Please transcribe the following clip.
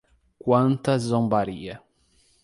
Quanta zombaria